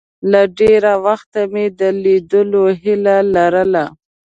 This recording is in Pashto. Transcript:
له ډېره وخته مې د لیدلو هیله لرله.